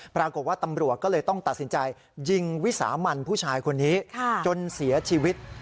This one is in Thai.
ปรากฏว่าตำรวจก็เลยต้องตัดสินใจยิงวิสามันผู้ชายคนนี้จนเสียชีวิต